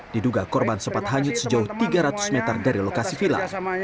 diduga korban sempat hanyut sejauh tiga ratus meter dari lokasi vila